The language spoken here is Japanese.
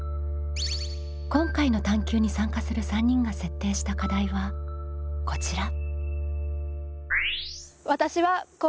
今回の探究に参加する３人が設定した課題はこちら。